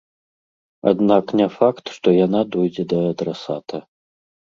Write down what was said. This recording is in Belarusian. Аднак не факт, што яна дойдзе да адрасата.